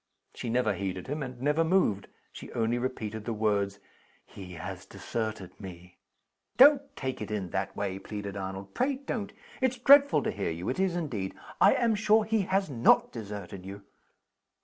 She never heeded him, and never moved. She only repeated the words "He has deserted me!" "Don't take it in that way!" pleaded Arnold "pray don't! It's dreadful to hear you; it is indeed. I am sure he has not deserted you."